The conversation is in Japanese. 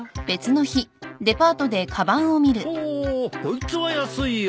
ほおこいつは安いや。